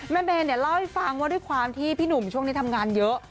แม่เมย์เนี่ยเล่าให้ฟังว่าด้วยความที่พี่หนุ่มช่วงนี้ทำงานเยอะ